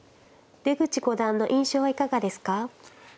出口五段の印象はいかがですか。